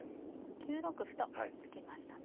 ９六歩と突きましたね。